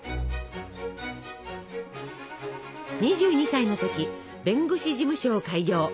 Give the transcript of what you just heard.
２２歳の時弁護士事務所を開業。